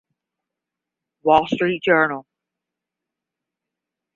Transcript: Wall Street Journal.